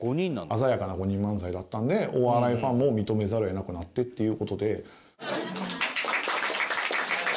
鮮やかな５人漫才だったんでお笑いファンも認めざるを得なくなってっていう事で。